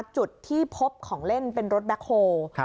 จุดที่พบของเล่นเป็นรถแบ็คโฮล